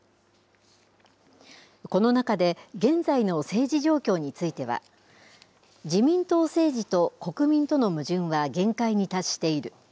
この中で、現在の政治状況については、自民党政治と国民との矛盾は限界に達している。